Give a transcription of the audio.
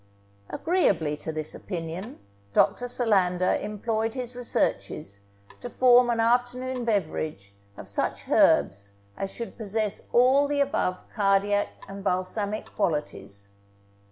Agreeably to this opinion, Dr. Solander employed his researches to form an afternoon beverage of such herbs as should possess all the above cardiac and balsamic qualities.